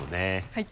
はい。